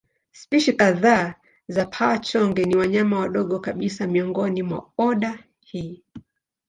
Spishi kadhaa za paa-chonge ni wanyama wadogo kabisa miongoni mwa oda hii.